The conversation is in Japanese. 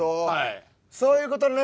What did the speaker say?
そういう事ね。